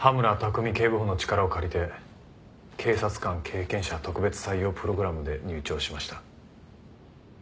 琢己警部補の力を借りて警察官経験者特別採用プログラムで入庁しました。